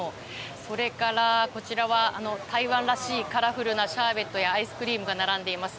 それから、台湾らしいカラフルなシャーベットやアイスクリームが並んでいます。